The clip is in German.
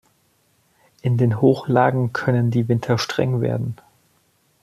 In den Hochlagen können die Winter streng werden.